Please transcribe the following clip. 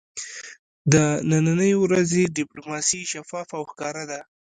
د ننی ورځې ډیپلوماسي شفافه او ښکاره ده